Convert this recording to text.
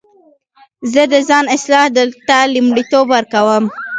زه د ځان اصلاح ته لومړیتوب ورکوم.